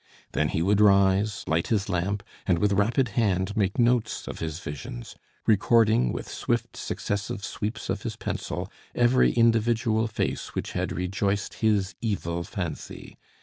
Then he would rise, light his lamp, and, with rapid hand, make notes of his visions; recording, with swift successive sweeps of his pencil, every individual face which had rejoiced his evil fancy.